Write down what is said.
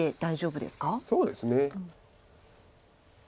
そうですね。